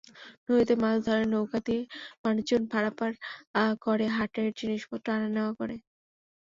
নদীতে মাছ ধরে, নৌকা দিয়ে মানুষজন পারাপার করে, হাটের জিনিসপত্র আনা-নেওয়া করে।